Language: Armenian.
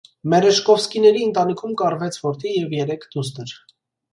Մերեժկովսկիների ընտանիքում կար վեց որդի և երեք դուստր։